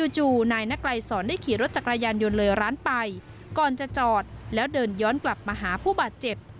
จู่นายนักไลสอนได้ขี่รถจักรยานยนต์เลยร้านไปก่อนจะจอดแล้วเดินย้อนกลับมาหาผู้บาดเจ็บ